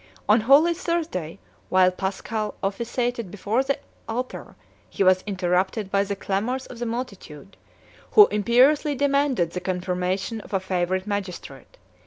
On Holy Thursday, while Paschal officiated before the altar, he was interrupted by the clamors of the multitude, who imperiously demanded the confirmation of a favorite magistrate.